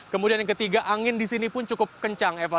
kemudian yang ketiga angin disini pun cukup kencang eva